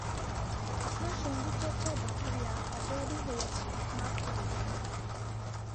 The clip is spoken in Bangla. আপনার সংগীতচর্চায় বাধা দিয়া অপরাধী হইয়াছি–মাপ করিবেন।